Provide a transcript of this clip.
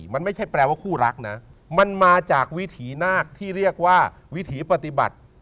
มันไม่ใช่แปลว่าคู่รักนะมันมาจากวิถีนาคที่เรียกว่าวิถีปฏิบัติ